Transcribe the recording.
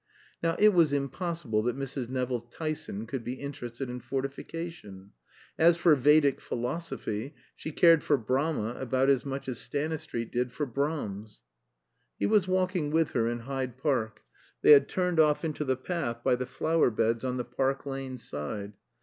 Now it was impossible that Mrs. Nevill Tyson could be interested in fortification. As for Vedic philosophy, she cared for Brahma about as much as Stanistreet did for Brahms. He was walking with her in Hyde Park; they had turned off into the path by the flower beds on the Park Lane side.